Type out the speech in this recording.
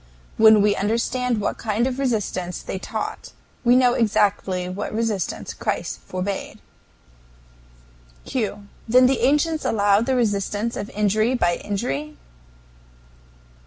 When we understand what kind of resistance they taught, we know exactly what resistance Christ forbade. Q. Then the ancients allowed the resistance of injury by injury?